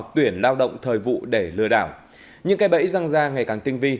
tuyển lao động thời vụ để lừa đảo những cây bẫy răng ra ngày càng tinh vi